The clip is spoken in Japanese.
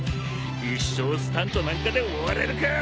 一生スタントなんかで終われるか！